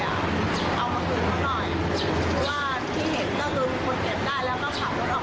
คือว่าที่เห็นก็คือคนเก็บได้แล้วก็ขับรถออกไปเลย